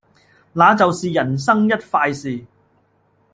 那就是人生一快事